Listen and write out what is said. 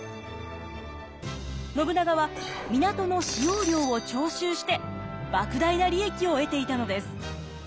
信長は港の使用料を徴収して莫大な利益を得ていたのです。